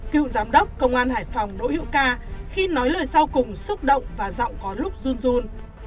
cựu giám đốc công an hải phòng đỗ hữu ca khi nói lời sau cùng xúc động và giọng có lúc run jun